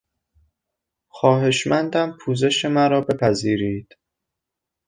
خواهشمندم پوزش مرا بپذیرید.